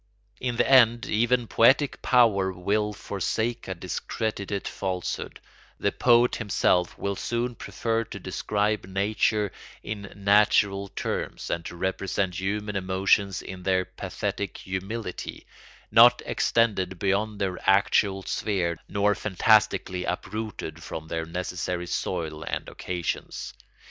In the end even poetic power will forsake a discredited falsehood: the poet himself will soon prefer to describe nature in natural terms and to represent human emotions in their pathetic humility, not extended beyond their actual sphere nor fantastically uprooted from their necessary soil and occasions.